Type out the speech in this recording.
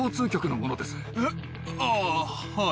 ああ、はい。